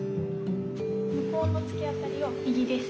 向こうの突き当たりを右です。